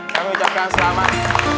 dan ucapkan selamat